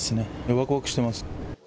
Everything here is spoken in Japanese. わくわくしてます。